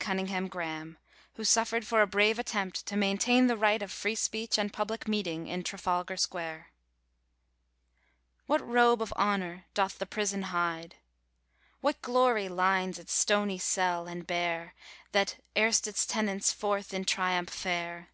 CUNNINGHAM GRAHAM, WHO SUFFERED FOR A BRAVE ATTEMPT TO MAINTAIN THE RIGHT OF FREE SPEECH AND PUBLIC MEETING IN TRAFALGAR SQUARE. WHAT robe of honour doth the prison hide, What glory lines its stony cell and bare, That, erst its tenants, forth in triumph fare?